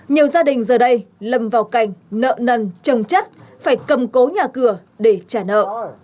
nhiều gia đình giờ đây lầm vào cảnh nợ nần trồng chất phải cầm cố nhà cửa để trả nợ